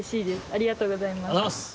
ありがとうございます。